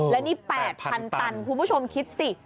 และนี่๘๐๐๐ตันคุณผู้ชมคิดสิ